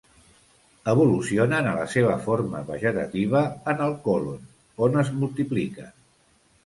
Evolucionen a la seva forma vegetativa en el colon, on es multipliquen.